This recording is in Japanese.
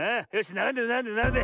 ならんでならんでならんで。